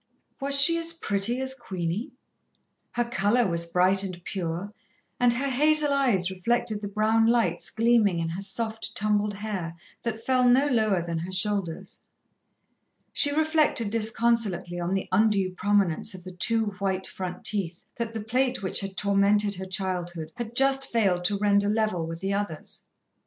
Was she as pretty as Queenie? Her colour was bright and pure, and her hazel eyes reflected the brown lights gleaming in her soft, tumbled hair, that fell no lower than her shoulders. She reflected disconsolately on the undue prominence of the two, white front teeth that the plate which had tormented her childhood had just failed to render level with the others.